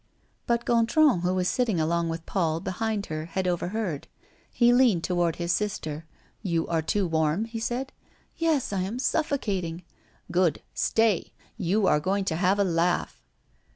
But Gontran, who was sitting along with Paul behind her, had overheard. He leaned toward his sister: "You are too warm?" said he. "Yes, I am suffocating." "Good. Stay! You are going to have a laugh."